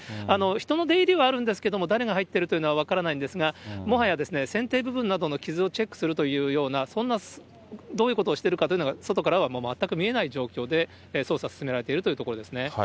人の出入りはあるんですけれども、誰が入っているっていうのは分からないんですが、もはや、船底部分などの傷をチェックするというような、そんな、どういうことをしてるかというのは、外からは全く見えない状況で、捜査、進められているということですね。